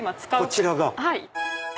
こちらが。